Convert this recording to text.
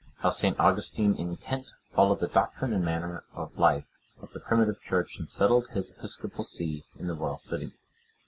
How St. Augustine in Kent followed the doctrine and manner of life of the primitive Church, and settled his episcopal see in the royal city.